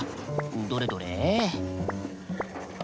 どれどれ？